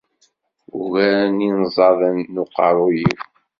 Ugaren inẓaden n uqerru-w.